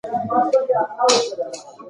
که کمپیوټر خراب شي نو فایلونه به لرئ.